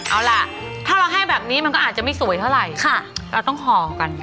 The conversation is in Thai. เอาล่ะถ้าเราให้แบบนี้มันก็อาจจะไม่สวยเท่าไหร่เราต้องห่อกัน